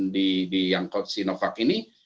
di yang coach sinovac ini